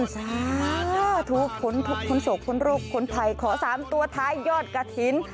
สาธุคนสกคนโรคคนไพขอสามตัวท้ายยอดกระถิ่น